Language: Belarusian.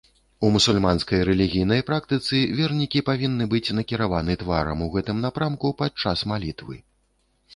У мусульманскай рэлігійнай практыцы вернікі павінны быць накіраваны тварам у гэтым напрамку падчас малітвы.